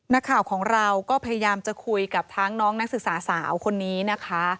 นักข่าวของเราก็พยายามจะคุยกับทั้งน้องนักศึกษาสาวคนนี้นะคะ